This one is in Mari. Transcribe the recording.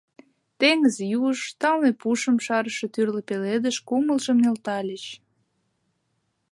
Теҥыз юж, тамле пушым шарыше тӱрлӧ пеледыш кумылжым нӧлтальыч.